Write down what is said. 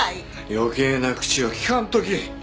余計な口を利かんとき。